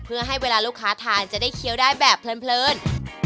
เพื่อให้เวลาลูกค้าทานจะได้เคี้ยวได้แบบเพลิน